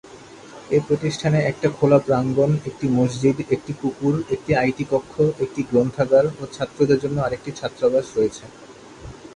এ প্রতিষ্ঠানে একটা খোলা প্রাঙ্গণ, একটি মসজিদ, একটি পুকুর, একটি আইটি কক্ষ, একটি গ্রন্থাগার ও ছাত্রদের জন্য আরেকটি ছাত্রাবাস রয়েছে।